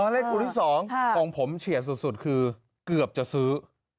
เลขตัวที่๒ของผมเฉียดสุดคือเกือบจะซื้อ